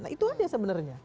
nah itu aja sebenarnya